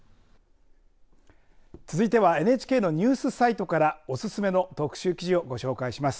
続いてはＮＨＫのニュースサイトからおすすめの特集記事をご紹介します。